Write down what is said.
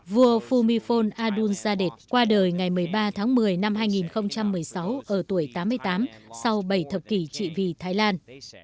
vua phu my phon adun sa đệt qua đời ngày một mươi ba tháng một mươi năm hai nghìn một mươi sáu ở tuổi tám mươi tám sau bảy thập kỷ trị vì thái lan